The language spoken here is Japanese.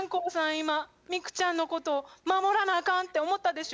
今ミクちゃんのことを守らなあかんって思ったでしょ？